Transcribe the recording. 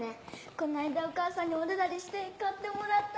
この間お母さんにおねだりして買ってもらったんだ。